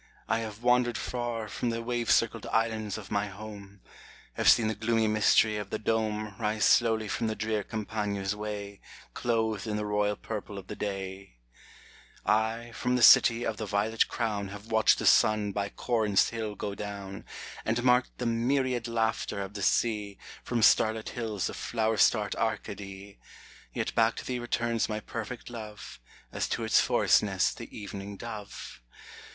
I have wandered far From the wave circled islands of my home ; Have seen the gloomy mystery of the Dome Rise slowly from the drear Campagna's way, Clothed in the royal purple of the day : I from the city of the violet crown Have watched the sun by Corinth's hill go down, And marked the " myriad laughter " of the sea From starlit hills of flower starred Arkady ; Yet back to thee returns my perfect love, As to its forest nest the evening dove.